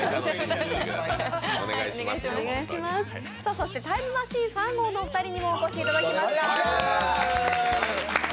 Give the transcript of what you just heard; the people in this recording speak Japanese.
そしてタイムマシーン３号のお二人にもお越しいただきました。